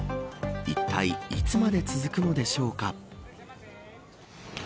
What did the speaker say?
いったいいつまで続くのでしょうか。